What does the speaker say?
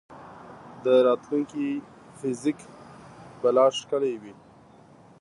د راتلونکي فزیک به لا ښکلی وي.